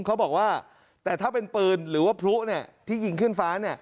เขาบอกว่าแต่ถ้าเป็นปืนหรือว่าพลุที่ยิงขึ้นฟ้า